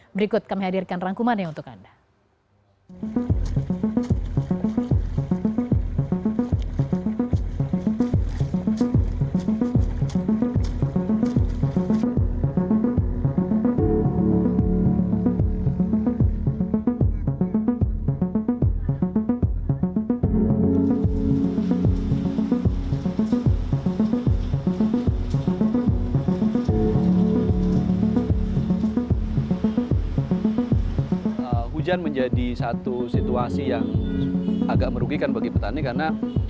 berikut kami hadirkan rangkumannya untuk anda